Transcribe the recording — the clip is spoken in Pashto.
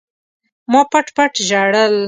ما پټ پټ ژړل.